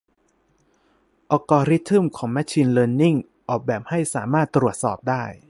อัลกอรึทึ่มของแมชชีนเลินนิ่ง ออกแบบให้สามารถตรวจสอบได้